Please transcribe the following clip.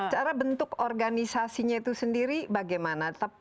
cara bentuk organisasinya itu sendiri bagaimana